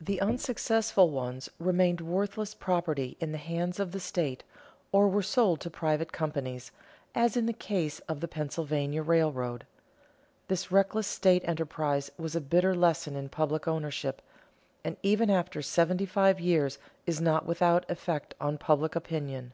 The unsuccessful ones remained worthless property in the hands of the state or were sold to private companies, as in the case of the Pennsylvania railroad. This reckless state enterprise was a bitter lesson in public ownership, and even after seventy five years is not without effect on public opinion.